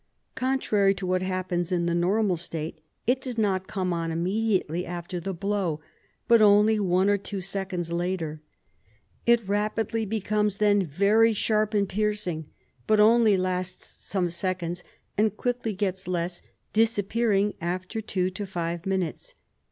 Contrary to what happens in the normal state, it does not come on imme diately after the blow, but only one or two seconds later. It rapidly becomes then very sharp and piercing, but only lasts some seconds, and quickly gets less, disappearing after two to five minutes.